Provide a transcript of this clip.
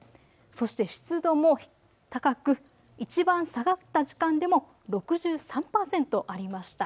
そして湿度も高くいちばん下がった時間でも６３％ありました。